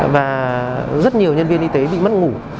và rất nhiều nhân viên y tế bị mất ngủ